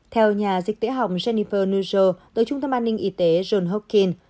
theo nhà dịch tễ học jennifer nuzzo từ trung tâm an ninh y tế john hawking